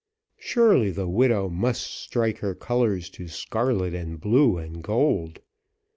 Surely the widow must strike her colours to scarlet, and blue, and gold.